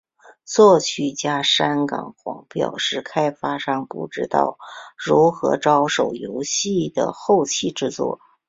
作曲家山冈晃表示开发商不知道如何着手游戏的后期制作。